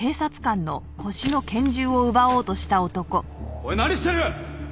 おい何してる！